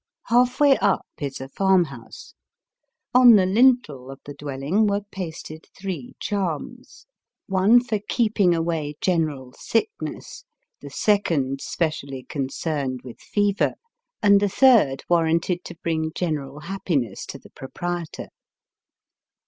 HaK way up is a farm house. On the lintel of the dwelling were pasted three charms, one for keeping away general sickness, the second specially concerned with fever, and the third warranted to bring general happiness to the proprietor.